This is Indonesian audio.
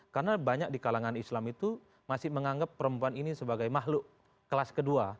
karena banyak di kalangan islam itu masih menganggap perempuan ini sebagai mahluk kelas kedua